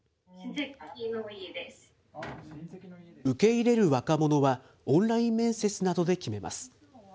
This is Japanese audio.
受け入れる若者はオンライン面接などで決めます。